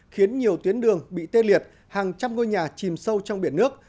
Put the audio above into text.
khiến nhiều tuyến đường bị tê liệt hàng trăm ngôi nhà chìm sâu trong biển nước